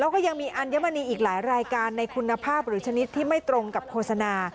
แล้วก็ยังมีอัญมณีอีกหลายรายการในคุณภาพหรือชนิดที่ไม่ตรงกับโฆษณา